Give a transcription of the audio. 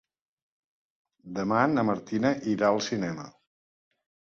Demà na Martina irà al cinema.